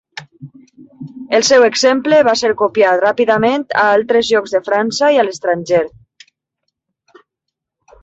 El seu exemple va ser copiat ràpidament a altres llocs de França i a l'estranger.